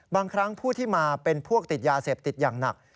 บางครั้งผู้ที่มาเป็นพวกติดยาเสพติดอย่างหนัก